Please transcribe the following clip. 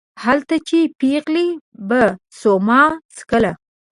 هلته چې پېغلې به سوما څکله